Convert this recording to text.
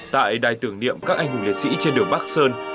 tại đài tưởng niệm các anh hùng liệt sĩ trên đường bắc sơn